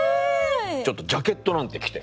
ちょっとジャケットなんて着て。